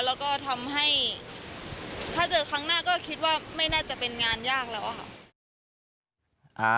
แล้วก็ทำให้ถ้าเจอครั้งหน้าก็คิดว่าไม่น่าจะเป็นงานยากแล้วค่ะ